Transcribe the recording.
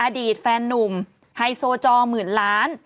อดีตแฟนนุ่มไฮโซจอหมื่นล้าน